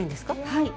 はい。